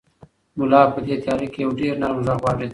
ملا په دې تیاره کې یو ډېر نرم غږ واورېد.